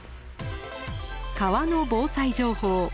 川の防災情報。